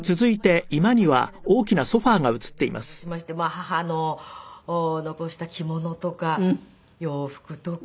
母の残した着物とか洋服とか。